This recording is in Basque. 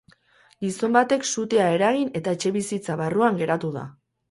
Gizon batek sutea eragin eta etxebizitza barruan geratu da.